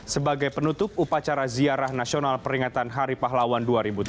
sebagai penutup upacara ziarah nasional peringatan hari pahlawan dua ribu tujuh belas